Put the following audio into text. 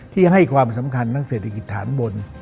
ที่ให้ความสำคัญทั้งเศรษฐกิจฐานบน